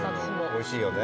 おいしいよね。